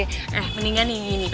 eh mendingan nih